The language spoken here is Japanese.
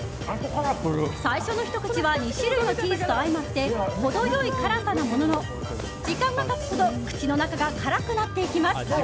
最初のひと口は２種類のチーズと相まって程良い辛さなものの時間が経つほど口の中が辛くなっていきます。